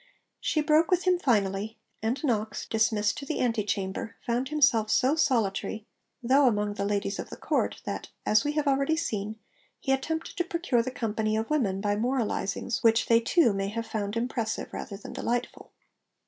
She broke with him finally; and Knox, dismissed to the ante chamber, found himself so solitary, though among the ladies of the Court, that (as we have already seen) he attempted to 'procure the company of women' by moralisings which they too may have found impressive rather than delightful.